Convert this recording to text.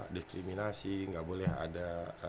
diskriminasi gak boleh ada